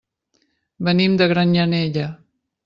Venim de Granyanella.